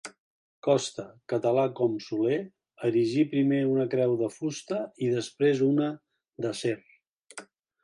Costa, català com Soler, erigí primer una creu de fusta i després una d'acer.